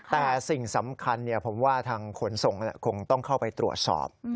แต่สิ่งสำคัญผมว่าทางขนส่งคงต้องเข้าไปตรวจสอบ